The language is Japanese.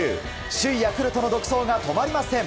首位ヤクルトの独走が止まりません。